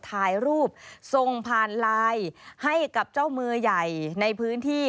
ถ่ายรูปส่งผ่านไลน์ให้กับเจ้ามือใหญ่ในพื้นที่